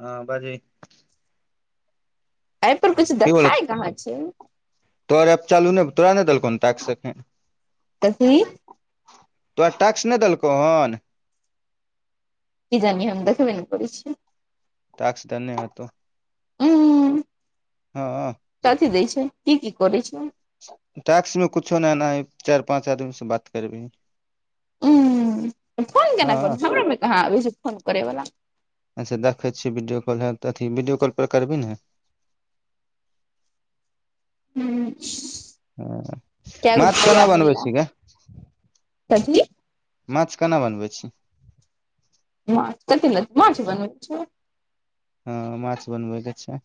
हँ बाजही एहि पर कुछ देखाय कहाँ छै तोर एप चालू नै तोरा नै दलकौ न ताकस अखन कऽभी [unintelligible] तोरा टैक्स नै देलकौ हन की जाने हम देखबे नै करै छीयै टाक्स धन्यहेतौ उंम्म हँ कथी दै छै ई की करै छै टाक्स मे कुछो नै एनाहि चारि पाँच आदमी स बात करबी ही ऊ फोन केना कर हँ हमरामे कहाँ अबै छै फोन करैवला अच्छा दखै छीयै वीडियोकाॅल ह त अथी वीडियो कॉल करबी ने हू हँ माछ केना बनबै छी गे कथी माछ कना बनबै छी मछ क ल मछ बनबै छै [unintelligible] हँ माछ बनबैके छै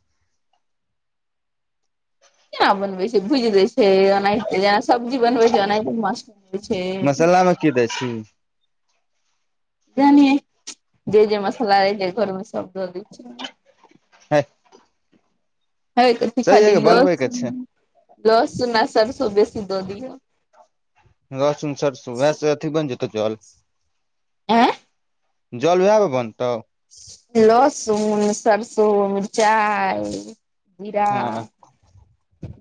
केना बनबै छै भूज देै छै ओनाहिते जेना सब्जी बनबै छै ओनाहिते मस बनै छै [unintelligible] की दै छी जानीये जे जै मसला अई घर मे से शब्द द दै छियै ओईमे हे हे की सहिये खाली गे बनबै के लसुन छै लसुन आ सरसो बेसी द दियौ रसून सरसो वसी बन जेतौ जल [unintelligible] जल वएह पर बनतौ लहसुन प्याज सरिसो मिरचाइ जीरा हँ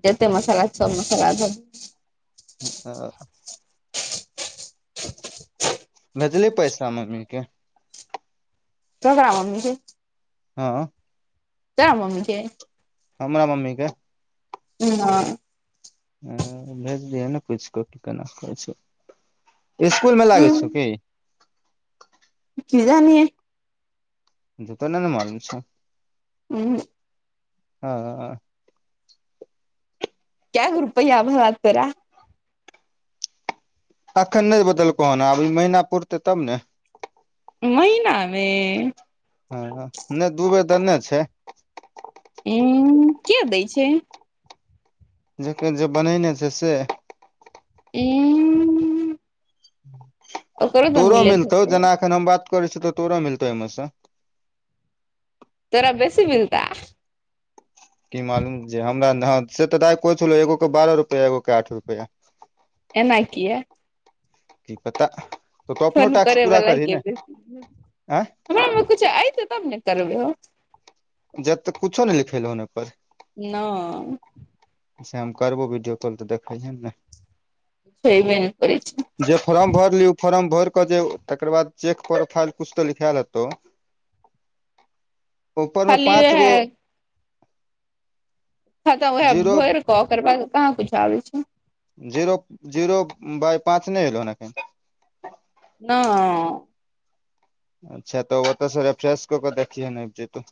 जतेक मसाला सब मसाला दब [unintelligible] भेजलिही पैसा मम्मी के [unintelligible] मम्मी के हँ तऽ मम्मीे के हमरा मम्मी के नहि ह भेजदियो नऽ कुछ क केना कहै स्कुल मऽ लागै हूं छ की की [unintelligible] [unintelligible] नहि नऽ मालूम छै उ हूँ हँ केयगे रुपया भेला तोड़ा अखन नहि बतेलको हन अब ई महिना पूुरते तब ने महिना मे हँ नहि दू बेर देने छै उ कए दै छै जेकर जे बनेने छै से ई तोरो मिलैत मिलतौ हेतै जेना एखन हम बात करै छि तऽ तोरो मिलतौ ओहिमे सऽ तोरा बेसी बिलताऽ की मालूम जे हमरा से तऽ दाई कहै छलौ एगो के बारह रुपआ एगो कऽ आठ रुपआ एना कीयै कि पता तू अपनो फोन टास्क करै पूरा वला करही के, ने आँय हमरा मे कुछ अयते तब नऽ करबै हो जबतक कुछो नहि लिखेलौहन ओइ पर नई हम करबो वीडियो कॉल तऽ देखैहि नऽ हेबै ने करै छै जे फरम भरलीही ओ फरम भैर के जे तकर बाद चेक फाइल कुछ तो लिखायल हेतौ उपरमे खाली पाँच गो वैह हं त उएह जीरो भैर कऽ ओकर बाद कहाँ कुछो आबै छै जीरो जीरो बाइ पाँच नहि एलो हन एखन नइ अच्छा तऽ ओतऽ सऽ रेफ्रेश कऽ कऽ देखियैन औतै तऽ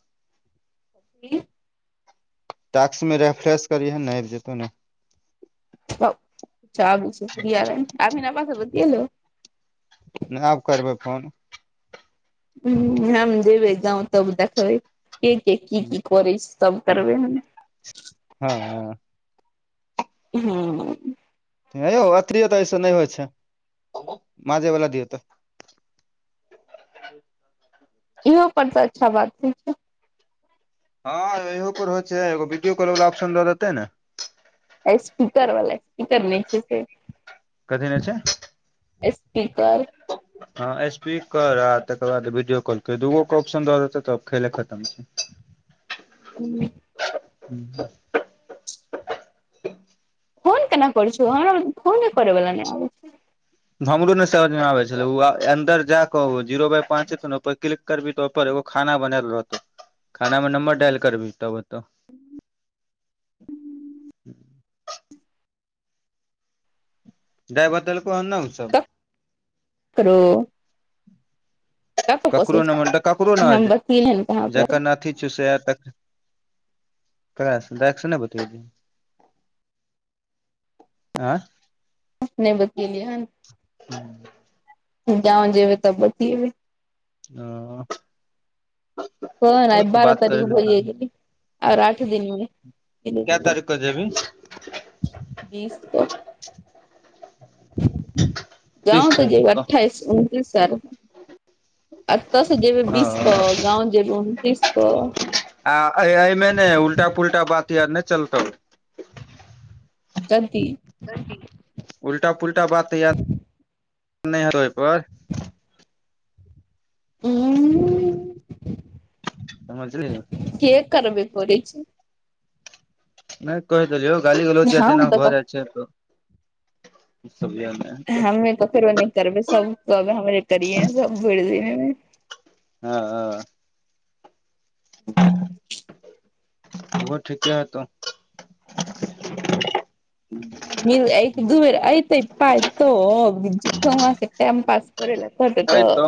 [unintelligible] टास्क मे रेफ्रेश करयहे ने आबि जेतौ नऽ [unintelligible] नहि आब करबै फोन हू हम देबै गाँव तब देखबै के के की की करै छै तब करबै हम हँ हँ हू हे यौ अथरी तऽ अइ स नै होइ छै माँजेवला दियौ तऽ इहो पर तऽ अच्छा बात छै हँ इहो पर होइ छै एगो वीडियो कॉल वला ऑप्शन दऽ देते नऽ स्पीकर वाला स्पीकर नै छैे से कथी नहि छै स्पीकर हँ स्पीकर आ तकर बाद वीडियो कॉलके दऽ दुगोके ऑप्शन दऽ देतै तऽ खेले खतम छै [inaudible] हू [unintelligible] [unintelligible] फोन केना करै छु हमरा फोने करै बला नहि आबै [inaudible] हमरो ने समझ मे आबै छलै ओ अन्दर जााकऽ जीरो बाइ पाँच एतै ने ओइ पर क्लिक करबी तो ओपर एगो खाना बनैल रहतौ खाना मऽ नंबर डायल करबिही तब एतौ दाई बतेलकौ हन नई उ सब तऽ करो ककरो छै नै मोन तअ ककरो हम नै बतियेलियै हन कहाँ ओकरा जखन अथी छै से आ तकरै [unintelligible] हैं नहि बतएलियै हन [unintelligible] गाँव जेबै तऽ बतीब गाँव जेबै तब बतयेबै ओ कह तऽ बारह बात तारीख करे भैये गेलय ओर आठ कै दिनमे तारीख के जेबही बीस कऽ तीस गाँव तअ तारीख जेबै क अठाइस उनतीस सर अतऽ सऽ जेबै बीस क गाँव जेबै उनतीस क आ ऐ-ऐ मे ने उल्टा - पुल्टा बात और नै चलतो कथि उल्टा-पुल्टा बात या नैै हेइत ओय पर [unintelligible] समझलीहि के करबे करै छै नै कहिय देलियौ गाली- गलौज जे -जेना हम तऽ भऽ जाइ छै हम नै ककरो नै करबै सब के कहबै हमरे करिये सब भेर दिन मे ह ह [unintelligible] ओही ठीके हेतोउ [unintelligible] नैयो एक- दू बेर ऐतै पाइ तब [unintelligible] टाइमपास तोरे लअ फट तऽ एतौ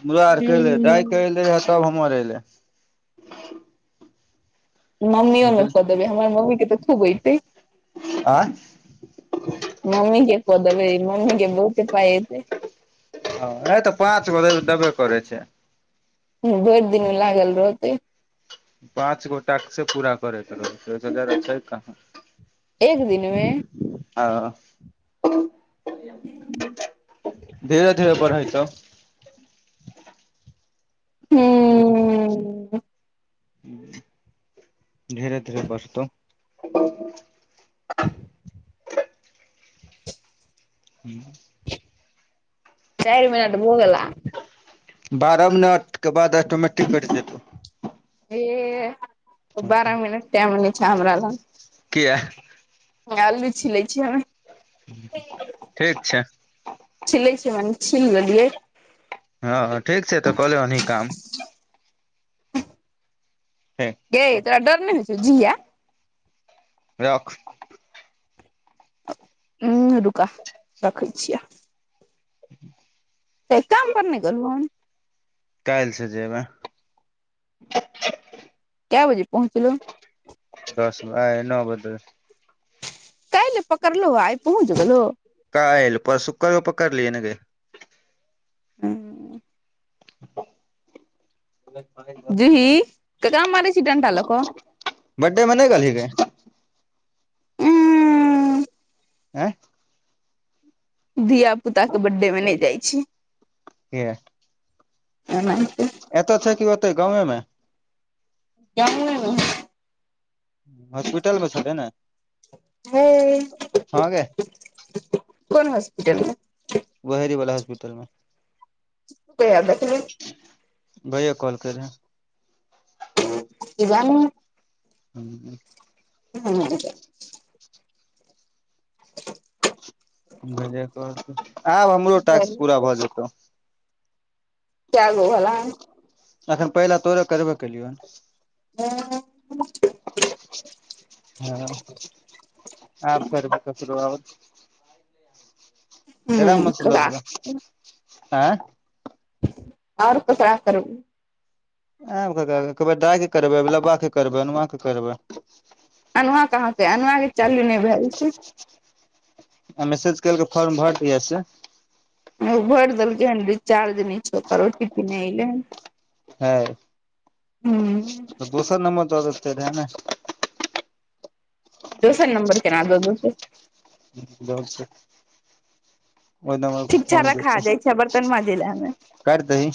हमरा औरके एलै दाय हूँ कऽ एलै या तब हमर एलै मम्मीयो मऽ कदै बुझल या खो देबै हमर मम्मी के तऽ खुब अयते तऽ मम्मी के कऽ देबै मम्मी के बहुते पाइ औतै नहि तऽ पाँच गो लेल देबे करै छैय भैर दिन मऽ लागल रह तै पाँच गो टास्के पूरा करै के रहतै छै ओय से ज्यादा छै कहाँ एक दिनमे हँ [inaudible] धीरे -धीरे बर हेतो भेजु हूँ धीरे- धीरे बढ़तौ हू चैर मदिना तऽ भऽ गेला बारह मिनट कऽ बाद ऑटोमेटिक कैट जेतौ एह बारह मिनट टाइम नैह छै हमरा लग किया आ अल्लू छिलै छी हम ठीक छै छिलै छै माने छिल लेलियै हँ-हँ ठीक छै तऽ कले ओनहि काम हे गै तोरा डर नेै होय छौ जिया रख हू रुका रखै छियै। तऽ आय काम पर नहि गेलहौं। काल्सँ जेबै। कएऽ बजे पहुँचलो दस आय नो बजे [unintelligible] काइल पकड़लहो आइय पहुँच गेलो काइल पर सुकर कऽ पकड़लियै न गे हू [inaudible] जूही ककरा मारै छी डंटा लऽ कऽ बडडे मऽ ने गेलहि गे उं हैं धिया पुताक के बर्थडेमे नहि जाइ छी। किए ओनाइते एतऽ छै की ओते गावमे में गावमे हॉस्पिटल मऽ छथिन नऽ हेय गे कोन हॉस्पिटलमे बहेड़ी वलाा हॉस्पिटल मे। [unintelligible] भैय कहलके रेह [unintelligible] हूँ। [unintelligible] भेजे आब हमरो टास्क पूरा भऽ कै जेतौ। कैय गो भेलाह अखन पहिलाे तोरे करबो केलियौ हन। [inaudible] [unintelligible] हँ आब करबय ककरो आओर। ड्रम मऽ सऽ लऽ ककरा लिअ। आओर ककरा करू [unintelligible] आबै ककरा दाइ के करबै गुलबाक के करबै अनु करबै [unintelligible] अनुआ कहाँके अनुआ के चालू नहि भेल छै। आ मैसेज केलक फोर्म भर दिया से भरि देलकै हन रिचार्ज नहि छै ओकर ओ टी पी नहि एलै हन। हेय हूँ। तऽ दोसर नंबर द देतय रहे नऽ दोसर नंबर केना दऽ देतय। [unintelligible] ओहि नंबर पर ठीक छै फोन रखा जेतो जाइ छै बर्तन माजे ले हमे काटि दही।